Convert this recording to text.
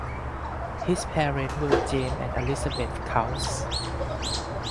His parents were James and Elizabeth Coutts.